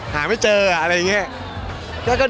หน่อยน่อย